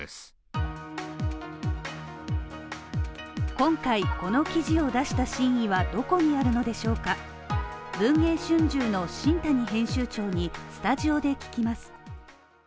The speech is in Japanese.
今回の記事を出した真意はどこにあるのでしょうか「文藝春秋」の新谷編集長にスタジオで聞きます。